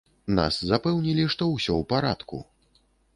Нас запэўнілі, што ўсё ў парадку!